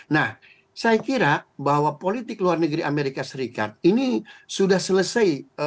nah saya kira bahwa politik luar negeri amerika serikat ini sudah selesai